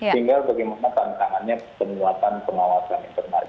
sehingga bagaimana tantangannya penuatan pengawasan internal